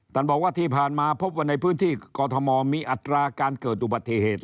ท่านบอกว่าที่ผ่านมาพบว่าในพื้นที่กรทมมีอัตราการเกิดอุบัติเหตุ